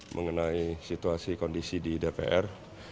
mengenai situasi kondisi di dpr